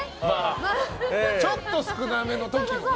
ちょっと少なめの時がね。